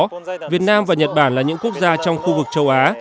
bên cạnh đó việt nam và nhật bản là những quốc gia trong khu vực châu á